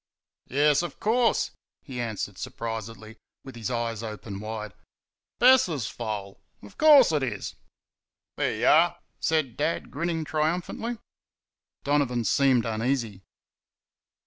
"Yes, of course," he answered, surprisedly, with his eyes open wide, "Bess's foal! of course it is." "There you are!" said Dad, grinning triumphantly. Donovan seemed uneasy.